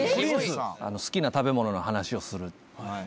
好きな食べ物の話をする。